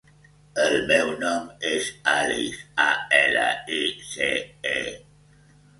El meu nom és Alice: a, ela, i, ce, e.